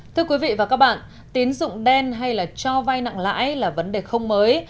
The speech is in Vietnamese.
thưa quý vị và các bạn tín dụng đen hay cho vai nặng lãi là vấn đề không mới